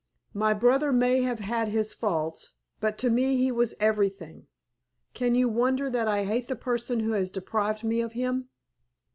My brother may have had his faults, but to me he was everything. Can you wonder that I hate the person who has deprived me of him?"